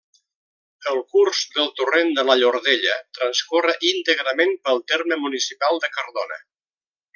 El curs del Torrent de la Llordella transcorre íntegrament pel terme municipal de Cardona.